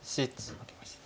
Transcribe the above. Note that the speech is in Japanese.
負けました。